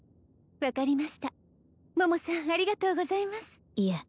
分かりました桃さんありがとうございますいえ